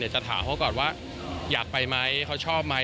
จะถามเขาก่อนว่าอยากไปไหมเขาชอบไหม